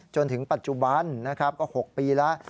จนถึงปัจจุบันก็๖ปีแล้ว